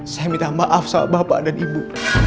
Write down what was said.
saya minta maaf sama bapak dan ibu